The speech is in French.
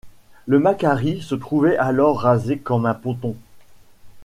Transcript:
Le Macquarie se trouvait alors rasé comme un ponton.